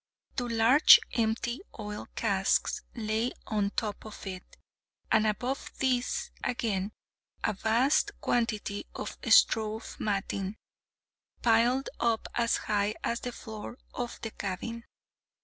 Two large empty oil casks lay on the top of it, and above these, again, a vast quantity of straw matting, piled up as high as the floor of the cabin.